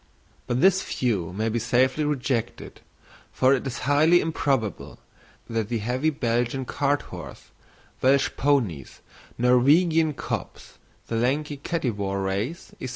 But this view may be safely rejected, for it is highly improbable that the heavy Belgian cart horse, Welsh ponies, Norwegian cobs, the lanky Kattywar race, &c.